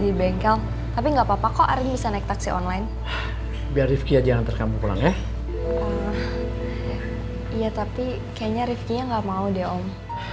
iya tapi kayaknya ripki nya gak mau deh om